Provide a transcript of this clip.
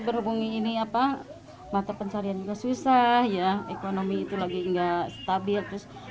berhubungi ini mata pencaharian susah ya ekonomi itu lagi tidak stabil